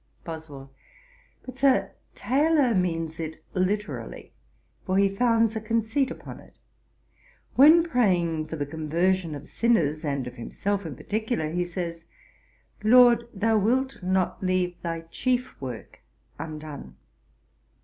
BOSWELL. 'But, Sir, Taylor means it literally, for he founds a conceit upon it. When praying for the conversion of sinners, and of himself in particular, he says, "LORD, thou wilt not leave thy chief work undone."